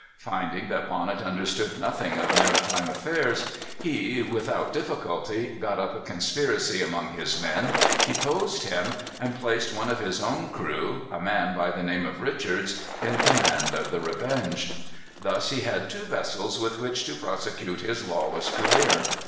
Finding that Bonnet understood nothing of maritime affairs, he, without difficulty, got up a conspiracy among his men, deposed him, and placed one of his own crew, a man by the name of Richards, in command of the Revenge. Thus he had two vessels with which to prosecute his lawless career.